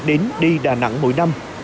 đến đi đà nẵng mỗi năm